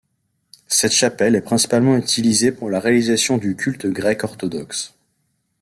Cette chapelle est principalement utilisée pour la réalisation du culte grec orthodoxe.